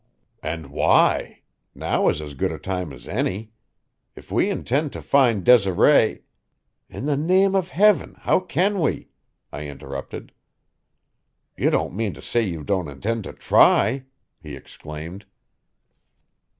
"And why? Now is as good a time as any. If we intend to find Desiree " "In the name of Heaven, how can we?" I interrupted. "You don't mean to say you don't intend to try?" he exclaimed.